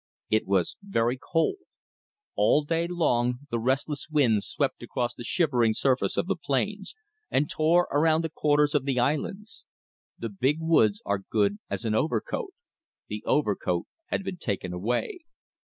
It was very cold. All day long the restless wind swept across the shivering surface of the plains, and tore around the corners of the islands. The big woods are as good as an overcoat. The overcoat had been taken away.